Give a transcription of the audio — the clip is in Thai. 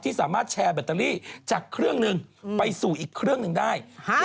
สามารถแชร์แบตเตอรี่จากเครื่องหนึ่งไปสู่อีกเครื่องหนึ่งได้